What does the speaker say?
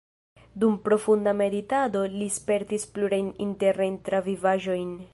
Dum profunda meditado li spertis plurajn internajn travivaĵojn.